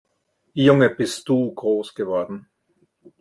Junge, bist du groß geworden!